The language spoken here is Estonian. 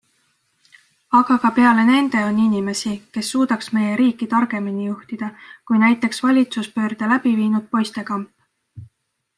Aga ka peale nende on inimesi, kes suudaks meie riiki targemini juhtida kui näiteks valitsuspöörde läbi viinud poistekamp.